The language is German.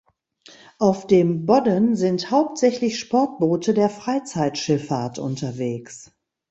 Auf dem Bodden sind hauptsächlich Sportboote der Freizeitschifffahrt unterwegs.